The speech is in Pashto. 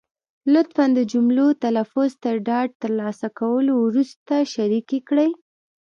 لطفا د جملو تلفظ تر ډاډ تر لاسه کولو وروسته شریکې کړئ.